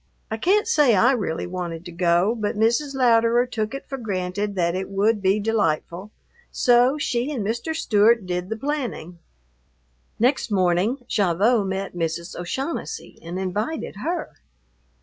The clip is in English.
I can't say I really wanted to go, but Mrs. Louderer took it for granted that it would be delightful, so she and Mr. Stewart did the planning. Next morning Gavotte met Mrs. O'Shaughnessy and invited her.